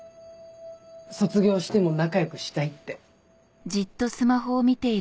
卒業しても仲良くしたいって。